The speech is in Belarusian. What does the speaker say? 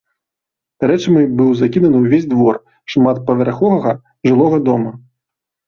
Рэчамі быў закіданы ўвесь двор шматпавярховага жылога дома.